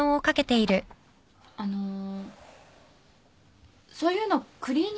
あのそういうのクリーニングでも。